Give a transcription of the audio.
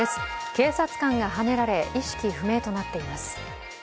警察官がはねられ意識不明となっています。